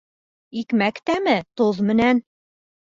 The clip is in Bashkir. Икмәк тәме тоҙ менән